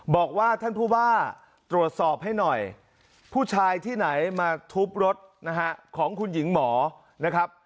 บอกว่าท่านผู้ว่าตรวจสอบให้หน่อยผู้ชายที่ไหนมาทุบรถนะฮะของคุณหญิงหมอนะครับ